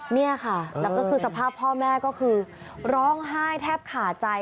นี่ค่ะแล้วก็คือสภาพพ่อแม่ก็คือร้องไห้แทบขาดใจ